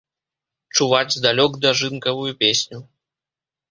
Чуваць здалёк дажынкавую песню.